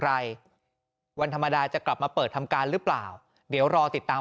อะไรวันธรรมดาจะกลับมาเปิดทำการหรือเปล่าเดี๋ยวรอติดตาม